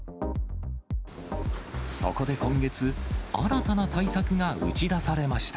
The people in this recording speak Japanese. そこで今月、新たな対策が打ち出されました。